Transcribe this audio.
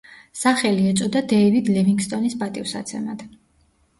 სახელი ეწოდა დეივიდ ლივინგსტონის პატივსაცემად.